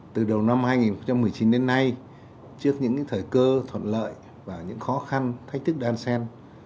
từ đầu năm hai nghìn một mươi chín đến nay trước những thời cơ thuận lợi và những khó khăn thách thức đan sen